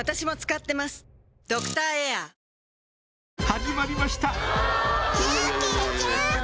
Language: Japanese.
始まりました！